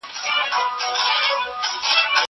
هغه څوک چي سفر کوي تجربه اخلي!